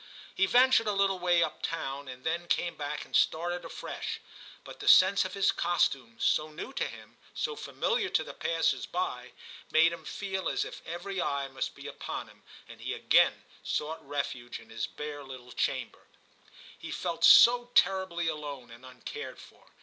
He ventured a little way up town, and then came back and started afresh, but the sense of his costume, so new to him, so familiar to the passers by, made him feel as if every eye must be upon him, and he again sought refuge in his bare little chamber. He 86 TIM CHAP. felt SO terribly alone and uncared for.